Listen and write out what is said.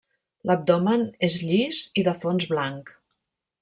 L'abdomen és llis i de fons blanc.